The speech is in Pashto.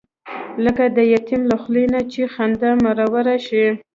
لکه د یتیم له خولې نه چې خندا مروره شي.